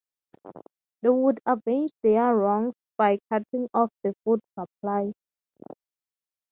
They would avenge their wrongs by cutting off the food supply.